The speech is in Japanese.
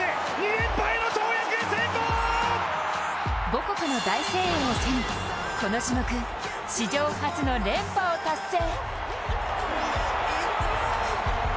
母国の大声援を背にこの種目史上初の連覇を達成。